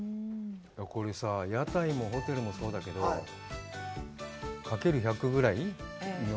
これさ、屋台もホテルもそうだけど、掛ける１００ぐらいの。